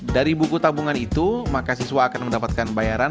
dari buku tabungan itu maka siswa akan mendapatkan bayaran